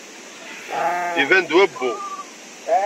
Iban-d wawwu.